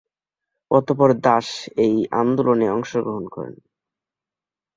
অতঃপর দাস এই আন্দোলনে অংশগ্রহণ করেন।